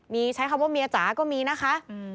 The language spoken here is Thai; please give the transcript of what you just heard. มีใช้คำว่าเมียจ๋าก็มีนะคะ